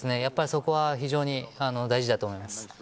そこは非常に大事だと思います。